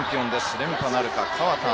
連覇なるか川田朱